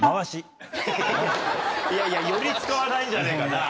いやいやより使わないんじゃねえかな。